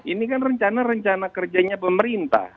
ini kan rencana rencana kerjanya pemerintah